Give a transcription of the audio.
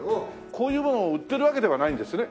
こういうものを売ってるわけではないんですね。